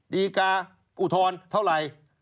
ดีกาอุทธรณ์เท่าไหร่